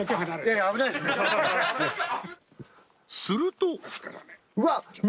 ［すると］